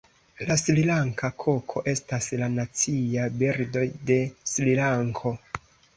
La Srilanka koko estas la Nacia birdo de Srilanko.